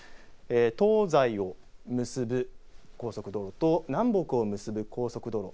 東西を結ぶ高速道路と南北を結ぶ高速道路